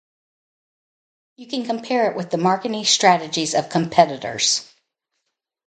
You can compare it with the marketing strategies of competitors.